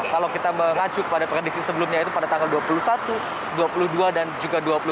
kalau kita mengacu kepada prediksi sebelumnya yaitu pada tanggal dua puluh satu dua puluh dua dan juga dua puluh satu